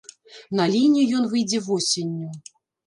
На лінію ён выйдзе восенню.